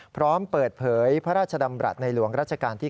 พร้อมเปิดเผยพระราชดำรัฐในหลวงรัชกาลที่๙